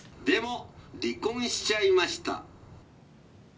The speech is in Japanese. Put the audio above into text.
でも離婚しちゃいました